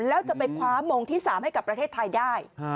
แล้วจะไปคว้ามงที่๓ให้กับประเทศไทยได้